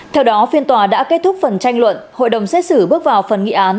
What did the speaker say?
theo đó phiên tòa đã kết thúc phần tranh luận hội đồng xét xử bước vào phần nghị án